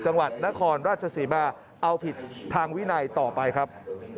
จังหวัดนครราชศรีมาเอาผิดทางวินัยต่อไปครับ